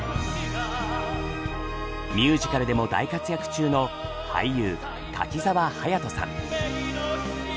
ミュージカルでも大活躍中の俳優柿澤勇人さん。